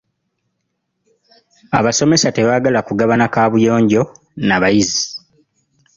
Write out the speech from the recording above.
Abasomesa tebaagala kugabana kaabuyonjo na bayizi.